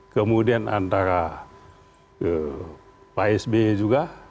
kemudian antara pak sby juga